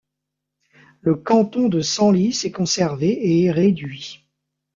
Le canton de Senlis est conservé et est réduit.